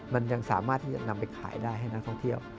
มันยังสามารถที่จะนำไปขายได้ให้นักท่องเที่ยว